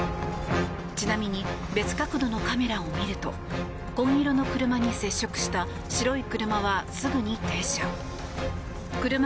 ちなみに別角度のカメラを見ると紺色の車に接触した白い車はすぐに停車。